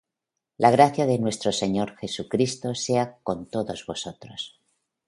La gracia de nuestro Señor Jesucristo sea con todos vosotros.